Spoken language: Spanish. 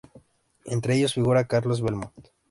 Entre ellos figura Carlos Belmont.